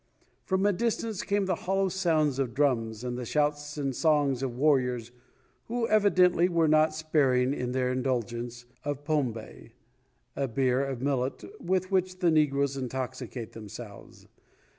From a distance came the hollow sounds of drums and the shouts and songs of warriors who evidently were not sparing in their indulgence of pombe,* [* A beer of millet with which the negroes intoxicate themselves.